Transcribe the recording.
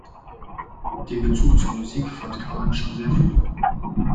Den Bezug zur Musik fand Cullum schon sehr früh.